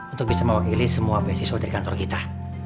untuk bisa mewakili semua beasiswa dari kantor kita